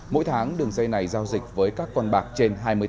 mỗi tháng đường dây này giao dịch với các con bạc trên hai mươi tỷ đồng